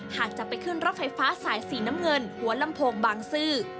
หากจะไปขึ้นรถไฟฟ้าสายสีน้ำเงินหัวลำโพงบางซื่อ